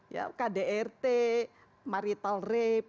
ya kdrt marital rape